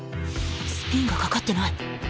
スピンがかかってない。